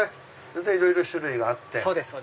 いろいろ種類があって。